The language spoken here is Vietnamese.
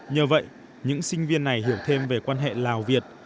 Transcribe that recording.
nhờ vậy những sinh viên này hiểu thêm về quan hệ lào việt